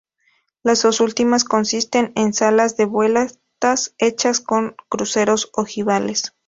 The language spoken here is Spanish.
Las dos últimas consisten en salas de vueltas, hechas con cruceros ojivales.